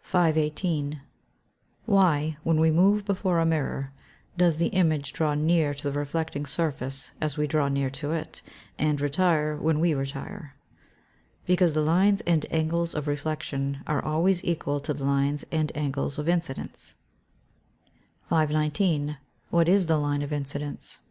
518. _Why, when we move before a mirror, does the image draw near to the reflecting surface as we draw near to it, and retire when we retire?_ Because the lines and angles of reflection are always equal to the lines and angles of incidence. 519. _What is the line of incidence?